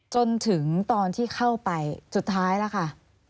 จนถึงตอนที่เข้าไปสุดท้ายแล้วค่ะ